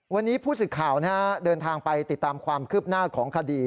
วันนี้ผู้สื่อข่าวเดินทางไปติดตามความคืบหน้าของคดี